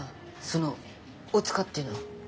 その「おつか」っていうの。